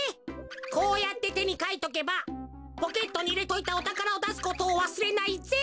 こうやっててにかいとけばポケットにいれといたおたからをだすことをわすれないぜ！